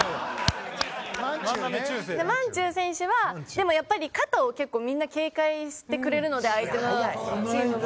マンチュウ選手はでもやっぱり肩を結構みんな警戒してくれるので相手のチームも。